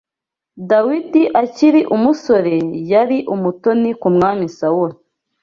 Dawidi akiri umusore, yari umutoni ku mwami Sawuli